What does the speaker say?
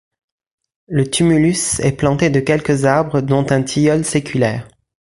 Le tumulus est planté de quelques arbres dont un tilleul séculaire.